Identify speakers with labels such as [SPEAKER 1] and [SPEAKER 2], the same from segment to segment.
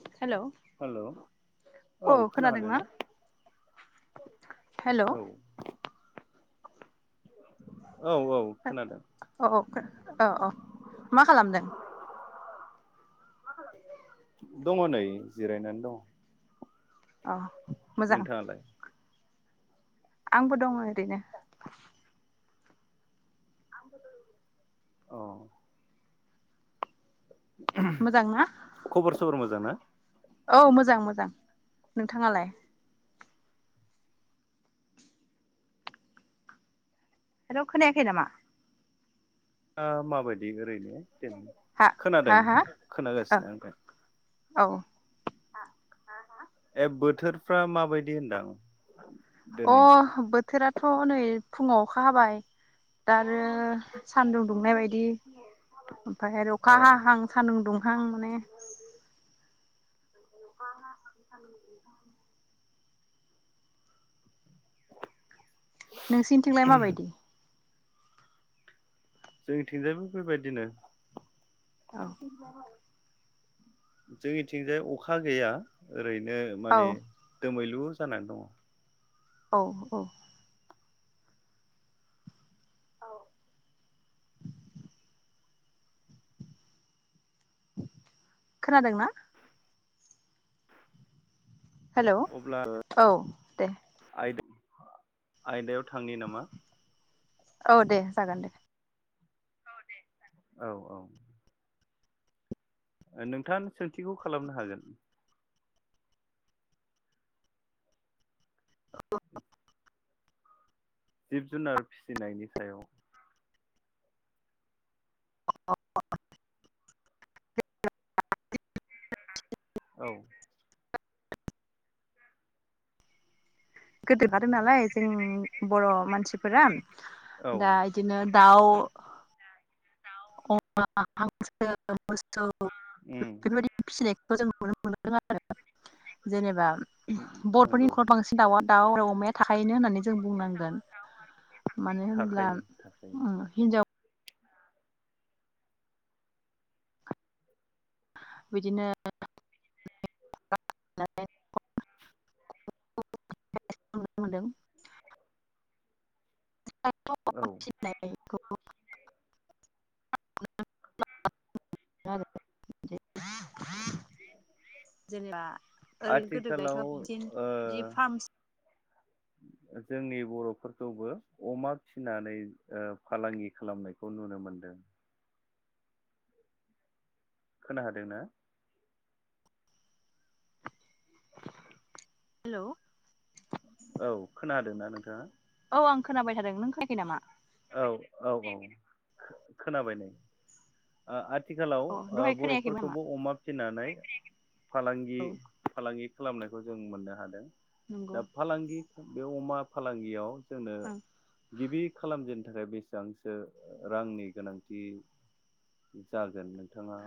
[SPEAKER 1] ज [inaudible] hello
[SPEAKER 2] hello
[SPEAKER 1] अ खोनादोंना हेल'
[SPEAKER 2] औ औ औ खोनादों
[SPEAKER 1] अ अ अ मा खालामदों
[SPEAKER 2] दङ नै जिरायनानै दङ
[SPEAKER 1] अ
[SPEAKER 2] नोंथाङालाय
[SPEAKER 1] आंबो दङ ओरैनो
[SPEAKER 2] अ
[SPEAKER 1] मोजां ना
[SPEAKER 2] खबर सबर मोजां ना
[SPEAKER 1] औ मोजां मोजां नोंथाङालाय आरो खोनायाखै नामा
[SPEAKER 2] माबायदि ओरैनो
[SPEAKER 1] हा
[SPEAKER 2] खोनादों
[SPEAKER 1] हा हा
[SPEAKER 2] खोनागासिनो आं दे
[SPEAKER 1] औ
[SPEAKER 2] ए बोथोरफ्रा माबायदि होनदों
[SPEAKER 1] अ बोथोराथ' नै फुङाव अखा हाबाय दा आरो सानदुं
[SPEAKER 2] अ
[SPEAKER 1] दुंनाय बायदि ओमफ्राय
[SPEAKER 2] [inaudible]
[SPEAKER 1] आरो अखा हाहां सान्दुं दुंहां
[SPEAKER 2] अखा
[SPEAKER 1] माने
[SPEAKER 2] हाहां सान्दुं दुंहां [inaudible]
[SPEAKER 1] नोंसिनिथिंलाय माबायदि
[SPEAKER 2] जोंनिथिंजायबो बेबायदिनो
[SPEAKER 1] औ
[SPEAKER 2] बिदि [inaudible] जोंनिथिंजाय अखा गैया ओरैनो
[SPEAKER 1] औ
[SPEAKER 2] माने दोमैलु जानानै दङ
[SPEAKER 1] औ औ खोनादोंना हेल'
[SPEAKER 2] अब्ला
[SPEAKER 1] औ दे
[SPEAKER 2] आयदा आयदायाव थांनि नामा
[SPEAKER 1] औ दे जागोन दे
[SPEAKER 2] औ औ नोंथां सोंथिखौ खालामनो हागोन
[SPEAKER 1] औ
[SPEAKER 2] जिब जुनार फिसिनायनि सायाव
[SPEAKER 1] अ
[SPEAKER 2] औ
[SPEAKER 1] गोदोफादों [unintelligible] नालाय जों बर' मानसिफोरा
[SPEAKER 2] औ
[SPEAKER 1] दा बिदिनो दाउ [unintelligible] [unintelligible] स'
[SPEAKER 2] उम
[SPEAKER 1] बेफोरबायदिसनाय [unintelligible] खौ जों नुनो मोनदों आरो जेनेबा बर'फोरनि
[SPEAKER 2] नंगौ
[SPEAKER 1] नख'राव बांसिन दाउआ दाउ आरो अमाया थाखायोनो होननानै जों बुंनांगोन मानो होनब्ला
[SPEAKER 2] थाखायो थाखायो
[SPEAKER 1] हिनजाव बिदिनो नुनो मोनदों [unintelligible]
[SPEAKER 2] औ
[SPEAKER 1] [unintelligible] जेनेबा ओरैनो
[SPEAKER 2] आथिखालाव
[SPEAKER 1] गोदोहायथ' बिदि
[SPEAKER 2] ओ
[SPEAKER 1] बि फार्म [unintelligible]
[SPEAKER 2] जोंनि बर'फोरखौबो अमा फिनानै ओ फालांगि खालामनायखौ नुनो मोनदों खोना हादोंनाा
[SPEAKER 1] हेलौ
[SPEAKER 2] औ खोनादोंना नोंथाङा
[SPEAKER 1] औ आं खोनाबाय थादों नों खोनायाखै नामा
[SPEAKER 2] औ औ औ खोनाबाय नै आं आथि- आथिखालाव
[SPEAKER 1] अ
[SPEAKER 2] ओ
[SPEAKER 1] दहाय खोनायाखैमोन नामा
[SPEAKER 2] बर'फोरखौबो अमा फिसिनानै फालांगि फालांगि खालामनायखौ जों मोननो हादों
[SPEAKER 1] नंगौ
[SPEAKER 2] दा फालांगि बे अमा फालांगियाव जोंनो
[SPEAKER 1] ओं
[SPEAKER 2] गिबि खालामजेननो थाखाय बेसेबांसो रांनि गोनांथि जागोन नोंथाङा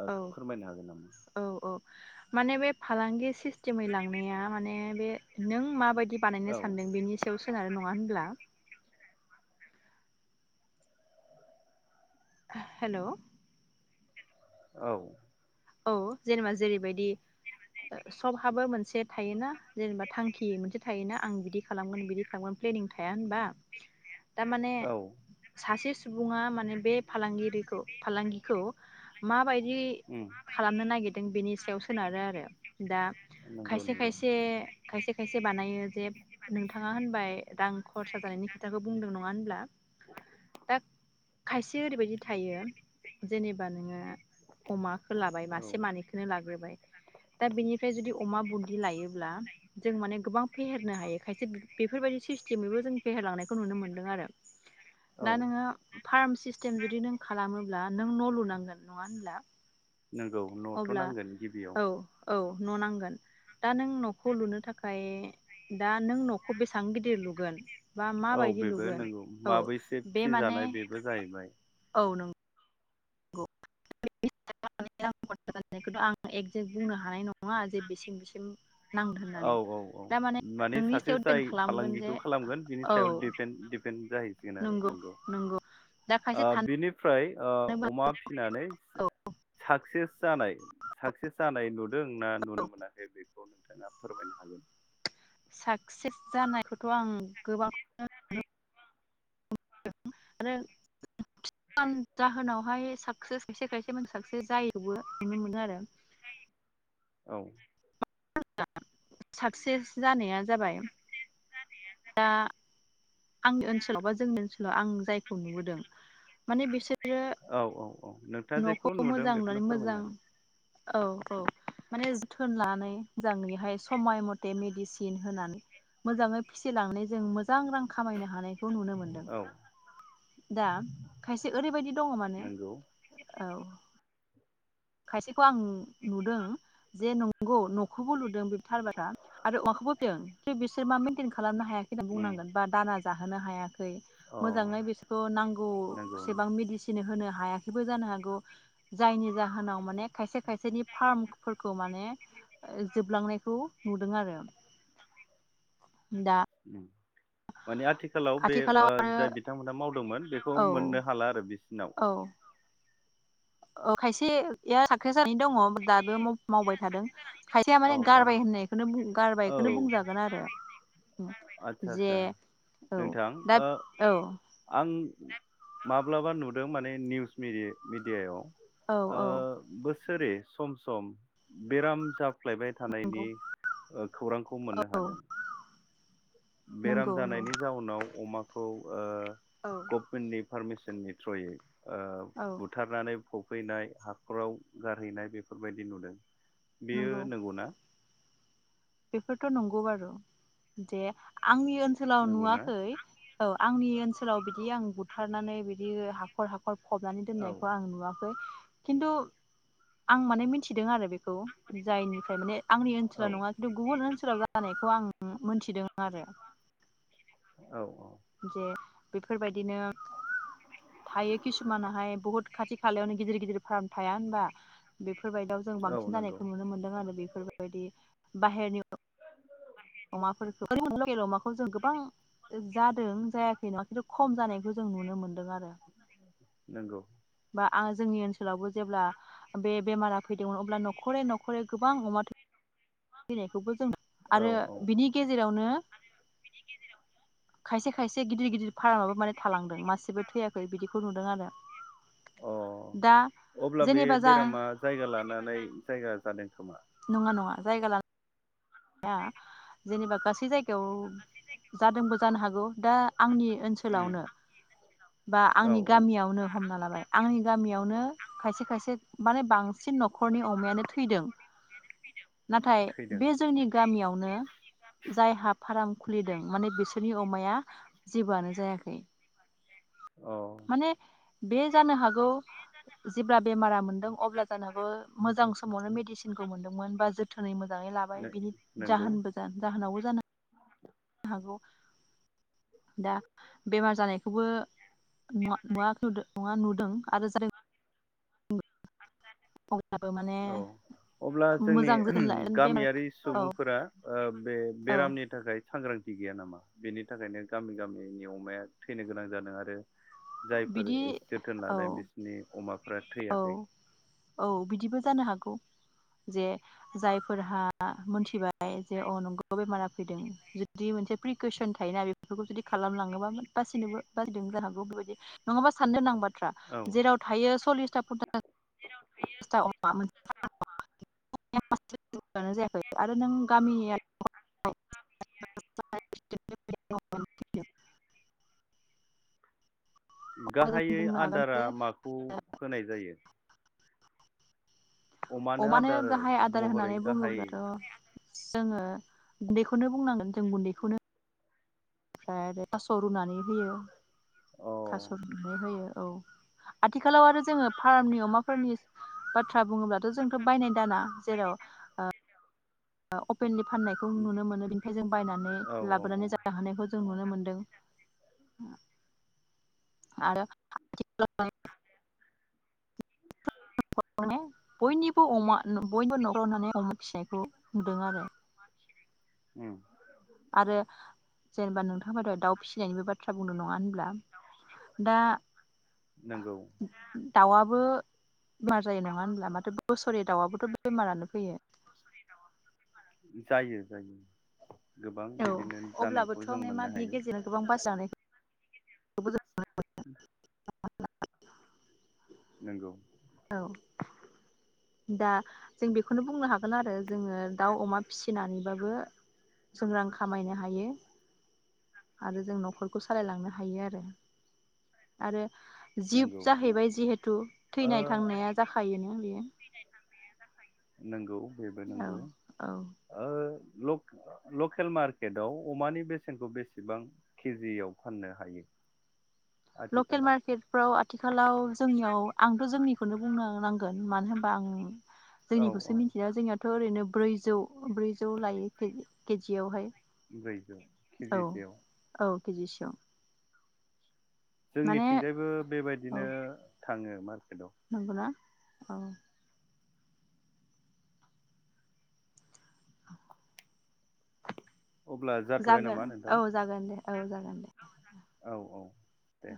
[SPEAKER 2] ओ
[SPEAKER 1] औ
[SPEAKER 2] फोरमायनो हागोन नामा?
[SPEAKER 1] औ औ माने बे फालांगि सिस स्टिमै लांनाया माने बे नों माबादि दि बानायनो
[SPEAKER 2] औ
[SPEAKER 1] सानदों बिनि सायाव सोनारो नङा होनब्ला हेल'
[SPEAKER 2] औ
[SPEAKER 1] औ जेनेबा जेरैबायदि सबहाबो मोनसे थायोना जेनेबा थांखि मोनसे थायोना आं बिदि खालामगोन बिदि खामगोन प्लेनिं थाया होनबा तामाने
[SPEAKER 2] औ
[SPEAKER 1] सासे सु सुबुङा माने बे फालांगिरिखौ फालांगिखौ मा बाय
[SPEAKER 2] उ
[SPEAKER 1] खामनो नागिरदों बेनि सायाव सोनारो आरो दा
[SPEAKER 2] नंगौ
[SPEAKER 1] खायसे
[SPEAKER 2] नंगौ
[SPEAKER 1] खायसे खायसे खायसे बानायो जे नोंथाङा होनबाय रां खरसा जानायनि खोथाखौ बुंदों नङा होनब्ला दा खायसे ओरैबायदि थायो जेनेबा नोङो अमा लाबाय
[SPEAKER 2] औ
[SPEAKER 1] मासे मानैखोनो लाग्रोबाय दा बेनिफ्राय जुदि अमा बुनदि लायोब्ला जों माने गोबां फेहेरनो हायो खायसे बेफोरबायदि सिस्टेमैबो जों फेहेरलांनायखौ नुनो मोनदों आरो
[SPEAKER 2] औ
[SPEAKER 1] दा नोङो फार्म सिस्टेम जुदि नों खालामोब्ला नों न' लुनांगोन नङा होनब्ला
[SPEAKER 2] नंगौ न'थ'
[SPEAKER 1] अब्ला
[SPEAKER 2] नांगोन गिबियाव
[SPEAKER 1] औ औ न' नांगोन दा नों न'खौ लुनो थाखाय दा नों न'खौ बेसां गिदिर लुगोन बा
[SPEAKER 2] औ
[SPEAKER 1] माबायदि
[SPEAKER 2] बेबो
[SPEAKER 1] लुगोन
[SPEAKER 2] नोंगौ
[SPEAKER 1] औ
[SPEAKER 2] माबैसे
[SPEAKER 1] बे
[SPEAKER 2] फि
[SPEAKER 1] माने
[SPEAKER 2] जानाय बेबो जाहैबाय
[SPEAKER 1] [unintelligible] खोथ' आं एकजेक्ट बुंनो हानाय नङा जे बेसिम बेसिम नांगोन
[SPEAKER 2] औ
[SPEAKER 1] होननानै
[SPEAKER 2] औ औ
[SPEAKER 1] दा
[SPEAKER 2] माने
[SPEAKER 1] नोंनि
[SPEAKER 2] सासे
[SPEAKER 1] सायाव
[SPEAKER 2] जाय
[SPEAKER 1] दिपेन्ड खालामगोन जे
[SPEAKER 2] फालांगिखौ खालामगोन बिनि
[SPEAKER 1] औ
[SPEAKER 2] सायाव दिफेन दिफेन जाहैसिगोन आरो
[SPEAKER 1] नंगौ
[SPEAKER 2] नोंगौ।
[SPEAKER 1] नंगौ दा खायसे
[SPEAKER 2] ओ बिनिफ्राय ओ
[SPEAKER 1] थानोबो
[SPEAKER 2] अमा फिनानै साकसेस जानाय साकसेस जानाय नुदों ना नुनो मोनाखै बेखौ नोंथाङा फोरमायनो हागोन
[SPEAKER 1] साक्सेस जानायखौथ' आं गोबांखौनो [unintelligible] [unintelligible] आरो [unintelligible] जाहोनाव हाय साकसेस खायसे खायसेमोन साकसेस जायोबो नुनो मोनो आरो
[SPEAKER 2] औ
[SPEAKER 1] साक्सेस जानाया जाबाय
[SPEAKER 2] जानाया जाबाय
[SPEAKER 1] आंनि ओनसोलाव बा जोंनि ओनसोलाव आं जायखौ नुबोदों माने बिसोरो
[SPEAKER 2] अ नोंथाङा जेखौ नुदों बेखौनो फोरमायनो हागोन
[SPEAKER 1] औ औ माने जोथोन लानो मोजाङैहाय समाय मथे मेडिसिन होनानै मोजाङै फिसिलांनानै जों मोजां रां खामायनो हानाय खौ नुनो मोनदों
[SPEAKER 2] हागोन औ
[SPEAKER 1] दा खायसे ओरैबायदि दङ माने
[SPEAKER 2] नंगौ
[SPEAKER 1] औ खायसेखौ आं नुदों जे नंगौ न'खौबो लुदों बे थार बाथ्रा आरो अमाखौबो दों बिसोर मा मेेनटेन खालामनो ह हायाखै
[SPEAKER 2] उम
[SPEAKER 1] होननांगोन बा दाना जाहोनो हायाखै
[SPEAKER 2] अ
[SPEAKER 1] मोजाङै बिसोरखौ
[SPEAKER 2] नंगौ
[SPEAKER 1] नांगौसेबां
[SPEAKER 2] नंगौ
[SPEAKER 1] मेदिसिन होनो हा हायाखैबो जानो हागौ जायनि जाहोन नाव माने खायसे खायसेनि फार्म खौ माने जोबलांनायखौ नुदों आरो दा
[SPEAKER 2] उम माने आथिखालाव बे ओ
[SPEAKER 1] आथिखालाव
[SPEAKER 2] जाय बिथांमोनहा मावदोंमोन बेखौ
[SPEAKER 1] औ
[SPEAKER 2] मोननो हाला आरो बि
[SPEAKER 1] औ ओ खायसेया साख्रि जानानै दङ दाबो मावबाय थादों खायसेया माने
[SPEAKER 2] औ औ
[SPEAKER 1] गारबाय होननायखौनो बुं गारबायखौनो
[SPEAKER 2] औ
[SPEAKER 1] बुंजागोन आरो उम
[SPEAKER 2] आदसा
[SPEAKER 1] जे
[SPEAKER 2] आदसा
[SPEAKER 1] औ
[SPEAKER 2] नोंथां
[SPEAKER 1] दा
[SPEAKER 2] ओ
[SPEAKER 1] औ
[SPEAKER 2] आं माब्लाबा नुदों माने निउस मिडि मिडियायाव
[SPEAKER 1] औ
[SPEAKER 2] आ
[SPEAKER 1] औ
[SPEAKER 2] बो सोरै सम सम बेराम होख्लायबाय थानायनि
[SPEAKER 1] नंगौ
[SPEAKER 2] ओ खौरांखौ मोननो
[SPEAKER 1] औ
[SPEAKER 2] हादों बेराम
[SPEAKER 1] नंगौ नंगौ
[SPEAKER 2] जानायनि जाउनाव अमाखौ ओ गभमेन्टनि फारमिसन जोंनि थ्रयै ओ
[SPEAKER 1] औ
[SPEAKER 2] बुथारनानै फ बफैनाय हाखराव गारहैनाय बेफोरबायदि नुदों बेयो
[SPEAKER 1] नंगौ
[SPEAKER 2] नंगौना
[SPEAKER 1] बेफोरथ' नंगौ बारु जे आंनि ओनसोलाव
[SPEAKER 2] नंगौना
[SPEAKER 1] नुवाखै औ आंनि ओनसो लाव बिदि आं बुथारनानै बिदि हाखर हा खर फबनानै
[SPEAKER 2] औ
[SPEAKER 1] दोननायखौ आं नुवाखै खिन्थु आं माने मिथिदों आरो बे खौ जायनिफ्राय माने आंनि
[SPEAKER 2] औ
[SPEAKER 1] ओनसोलाव नङा खिनथु गुबुन ओनसोलाव जानायखौ आं मोनथिदों आरो
[SPEAKER 2] औ औ
[SPEAKER 1] जे बेफोरबायदिनो थायो किसुमानाहाय बहुत खाथि खालायावनो गिदिर गिदिर फार्म थाया होनबा बे फोरबायदियाव जों
[SPEAKER 2] औ
[SPEAKER 1] बांसिन
[SPEAKER 2] नंगौ
[SPEAKER 1] जानायखौ नुनो मोन्दों आरो बेफोरबायदि बाहेरनि अमाफोरखौ लकेल अमाखौ जों गोबां जादों जायाखै नङा खिन्थु खम जानायखौ जों नुनो मोन
[SPEAKER 2] नंगौ
[SPEAKER 1] बा आं जोंनि ओनसोलावबो जेब्ला बे बेमारा फैदोंमोन अब्ला न'खरै न'खरै गोबां अमा थैनायखौबो जों
[SPEAKER 2] औ
[SPEAKER 1] आरो
[SPEAKER 2] औ
[SPEAKER 1] बिनि गेजेरावनो खायसे खायसे गिदिर गिदिर फार्माबो माने थालांदों मासेबो थैयाखै बिदिखौ नुदों आरो
[SPEAKER 2] अ
[SPEAKER 1] दा
[SPEAKER 2] अब्ला बे
[SPEAKER 1] जेनेबा जा
[SPEAKER 2] बेरामा जायगा लानानै जायगा जादों खोमा
[SPEAKER 1] नङा नङा जायगा लानानै जेनेबा गासै जायगायाव जादोंबो जानो हागौ दा आंनि
[SPEAKER 2] उम
[SPEAKER 1] ओनसोलावनो बा
[SPEAKER 2] औ
[SPEAKER 1] आंनि
[SPEAKER 2] औ
[SPEAKER 1] गामियावनो हमना लाबाय आंनि गामियावनो खायसे खायसे माने बांसिन नखर न'खरनि अमायानो थैदों नाथाय
[SPEAKER 2] थैदों
[SPEAKER 1] बे जोंनि गामियावनो जायहा फार्म खुलिदों माने बिसोरनि अमाया जेबोआनो जायाखै
[SPEAKER 2] औ
[SPEAKER 1] माने बे जानो हागौ जेब्ला बेमारा मोनदों अब्ला जानो मोजां समावनो मेडिसिनखौ मोनदोंमोन बा जोथोनै मोन मोजाङै लाबाय बिनि
[SPEAKER 2] नोंगौ
[SPEAKER 1] जाहोनबो जानो जाहोनावबो जानो हागौ दा बेमार जानायखौबो नुवाखै नङा नुदों आरो जादों अब्लाबो माने
[SPEAKER 2] औ अब्ला जोंनि
[SPEAKER 1] मोजां जोथोन ला बेमार
[SPEAKER 2] गामियारि
[SPEAKER 1] औ
[SPEAKER 2] सुबुंफोरा बे
[SPEAKER 1] औ
[SPEAKER 2] बेरामनि थाखाय सांग्रांथि गैया नामा बेनि थाखायनो गामि गामिनि अमाया थैनो गोनां जादों आरो जायफोर
[SPEAKER 1] बिदि
[SPEAKER 2] जोथोन
[SPEAKER 1] औ
[SPEAKER 2] लादों बिसोरनि अमाफ्रा
[SPEAKER 1] औ
[SPEAKER 2] थैयाखै
[SPEAKER 1] औ बिदिबो जानो हागौ जे जायफोरहा मोनथिबाय जे अ नंगौ बेमारा फैदों जुदि मोनसे प्रि कुयसन थायोना बेफोरखौ जुदि खालामलाङोबा बासिनोबो बासिदों जानो हागौ बेबायदि नङाबा साननो नांबा फ्रा
[SPEAKER 2] औ
[SPEAKER 1] जेराव थायो सल्लिसथा पन्सास [unintelligible] जायाखै आरो नों गामिनि [unintelligible]
[SPEAKER 2] गाहायै
[SPEAKER 1] बुंनो हागोन
[SPEAKER 2] आदारा
[SPEAKER 1] जे
[SPEAKER 2] माखौ होनाय जायो
[SPEAKER 1] अमानो गाहाय आदार
[SPEAKER 2] महरै
[SPEAKER 1] होननानै
[SPEAKER 2] गाहाय
[SPEAKER 1] बुङोब्ला र' जोङो गुन्दैखौनो बुंनांगोन जों गुन्दैखौनो ओमफ्राय आरो थास' रुनानै होयो
[SPEAKER 2] अ
[SPEAKER 1] थास' रुनानै होयो औ आथिखालाव आरो जोङो फार्मनि अमाफोरनि बाथ्रा बुङोब्लाथ' जोंथ' बायनाय दाना जेराव ओ [unintelligible] अपेनलि फाननायखौ नुनो मोनो बेनिफ्राय जों बायनानै
[SPEAKER 2] औ औ औ
[SPEAKER 1] लाबोनानै जानो हानायखौ जों नुनो मोनो आरो [unintelligible] [unintelligible] बयनिबो अमा बयबो न'खराव होननानै अमा फिसखौ नुदों आरो
[SPEAKER 2] ओम
[SPEAKER 1] आरो जेनेबा नोंथाङाबाथ' दाउ फिसिनायनिबो बाथ्रा बुंनो नङा होन ब्ला दा
[SPEAKER 2] नंगौ
[SPEAKER 1] दाउआबो बेमार जायो नङा होनब्ला माथो बोसोरे दाउआबो बेमारानो फैयो
[SPEAKER 2] जायो जायो गोबां
[SPEAKER 1] औ
[SPEAKER 2] बिदिनो
[SPEAKER 1] अब्लाबोथ'
[SPEAKER 2] जानायखौ जों
[SPEAKER 1] माने मा
[SPEAKER 2] मोननो
[SPEAKER 1] बिनि
[SPEAKER 2] हायो
[SPEAKER 1] गेजेरजों गोबां बासिजानायखौबो जों
[SPEAKER 2] [unintelligible]
[SPEAKER 1] [unintelligible]
[SPEAKER 2] नंगौ
[SPEAKER 1] औ दा जों बेखौनो बुंनो हागोन आरो जोङो दाउ अमा फिसिनानैबाबो जों रां खामायनो हायो आरो जों न'खरखौ सालायलांनो हायो आरो आरो जिब
[SPEAKER 2] नंगौ
[SPEAKER 1] जाहैबाय जिहेथु
[SPEAKER 2] ओ
[SPEAKER 1] थैनाय थांनाया जाखायोना बेयो
[SPEAKER 2] नंगौ बेबो
[SPEAKER 1] औ
[SPEAKER 2] नंगौ
[SPEAKER 1] औ
[SPEAKER 2] ओ लकेल मार्केटाव अमानि बेसेनखौ बेसेबां केजियाव फाननो हायो?
[SPEAKER 1] लकेल
[SPEAKER 2] आथिखालाव
[SPEAKER 1] मार्कट आथिखालाव जोंनियाव आंथ' जोंनि बेखौनो बुंनो नांगोन मानो होनबा आं
[SPEAKER 2] औ औ
[SPEAKER 1] जोंनिखौसो मिथिया जोंनियाथ' ओरैनो ब्रैजौ ब्रैजौ लायो केजि केजियावहाय
[SPEAKER 2] ब्रैजौ केजिसेयाव
[SPEAKER 1] केजिसेआव
[SPEAKER 2] जोंनिथिंजायबो बेबायदिनो
[SPEAKER 1] औ
[SPEAKER 2] थाङो मार
[SPEAKER 1] नंगौना औ
[SPEAKER 2] अब्ला जाथ'बाय
[SPEAKER 1] जागोन
[SPEAKER 2] नामा नोंथां
[SPEAKER 1] औ जागोन दे औ जागोन दे
[SPEAKER 2] औ औ दे